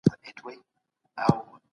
امبولانسونو ناروغان ژر روغتون ته رسول.